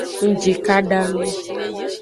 Ngjikada nu.